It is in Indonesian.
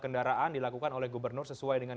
kendaraan dilakukan oleh gubernur sesuai dengan